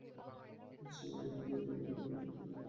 রাত সোয়া নয়টার দিকে তাঁকে ঢাকা মেডিকেল কলেজে ভর্তি করা হয়।